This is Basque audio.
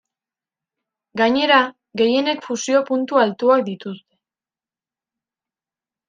Gainera, gehienek fusio-puntu altuak dituzte.